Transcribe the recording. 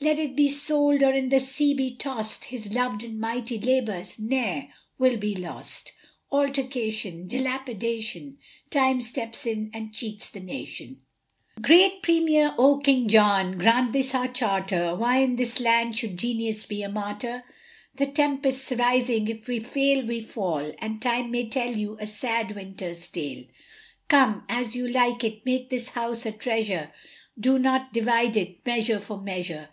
Let it be sold, or in the sea be tossed His loved and mighty labours ne'er will be lost. Altercation, dilapidation, Time steps in and cheats the nation! Great Premier, Oh, King John, grant this our charter, Why in this land should genius be a martyr? The Tempest's rising, if we fail we fall; And time may tell you a sad Winter's Tale. Come, As you like it, make this house a treasure, Do not divide it, Measure for Measure.